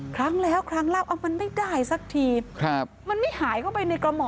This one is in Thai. ครั้งแล้วครั้งเล่ามันไม่ได้สักทีมันไม่หายเข้าไปในกระหมอ